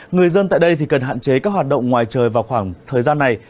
người dân tại đây thì cần hạn chế các hoạt động ngoài trời vào khoảng thời gian này